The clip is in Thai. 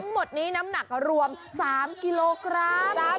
ทั้งหมดนี้น้ำหนักรวม๓กิโลกรัม